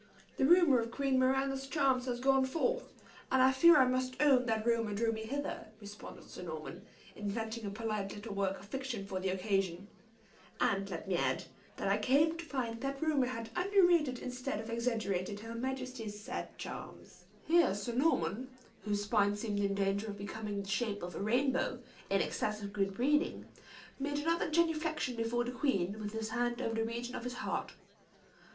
"The rumor of Queen Miranda's charms has gone forth; and I fear I must own that rumor drew me hither," responded Sir Norman, inventing a polite little work of fiction for the occasion; "and, let me add, that I came to find that rumor had under rated instead of exaggerated her majesty's said charms." Here Sir Norman, whose spine seemed in danger of becoming the shape of a rainbow, in excess of good breeding, made another genuflection before the queen, with his hand over the region of his heart.